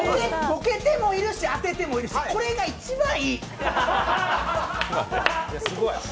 ボケてもいるし、当ててもいるし、これが一番いい！